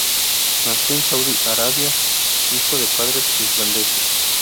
Nació en Saudi Arabia hijo de padres irlandeses.